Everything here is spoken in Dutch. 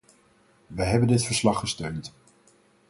Wij hebben dit verslag gesteund.